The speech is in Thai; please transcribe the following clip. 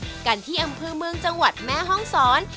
กันที่อำเภอเมืองจังหวัดแม่ห้องศร